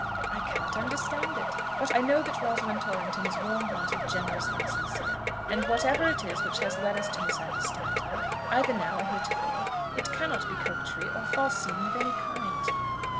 "I cannot understand it. But I know that Rosalind Torrington is warm hearted, generous, and sincere; and whatever it is which has led us to misunderstand her, either now or heretofore, it cannot be coquetry, or false seeming of any kind."